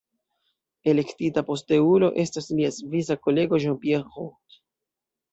Elektita posteulo estas lia svisa kolego Jean-Pierre Roth.